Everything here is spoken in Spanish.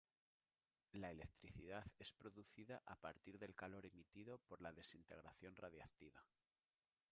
La electricidad es producida a partir del calor emitido por la desintegración radiactiva.